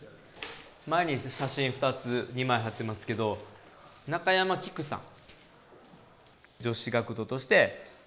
前に写真２つ２枚貼ってますけど中山きくさん。